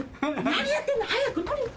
何やってんの早く取りに。